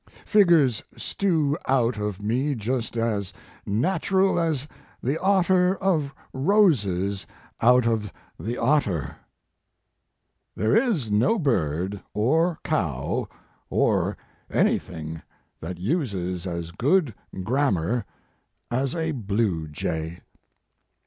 "Figures stew out of me just as natural as the otter of roses out of the otter." "There is no bird, or cow, or anything that uses as good grammar as a blue jay."